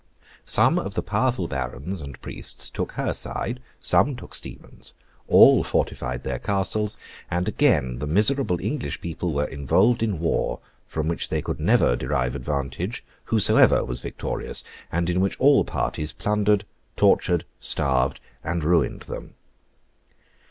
Some of the powerful barons and priests took her side; some took Stephen's; all fortified their castles; and again the miserable English people were involved in war, from which they could never derive advantage whosoever was victorious, and in which all parties plundered, tortured, starved, and ruined them.